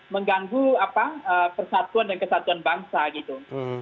mengganggu persatuan dan kesatuan bangsa gitu